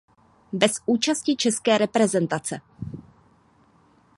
Bez účasti české reprezentace.